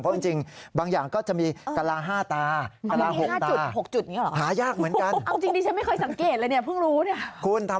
เพราะจริงจริงบางอย่างก็จะมีกระลาห้าตากระลาหกตาห้าจุดหกจุดนี่หรอ